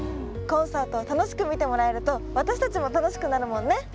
コンサートをたのしくみてもらえるとわたしたちもたのしくなるもんね。